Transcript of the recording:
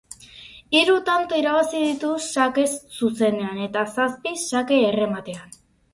Hiru tanto irabazi ditu sakez zuzenean, eta zazpi sake-errematean.